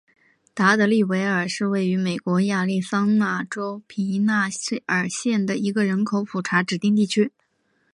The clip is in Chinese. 达德利维尔是位于美国亚利桑那州皮纳尔县的一个人口普查指定地区。